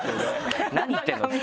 「何言ってんの？」。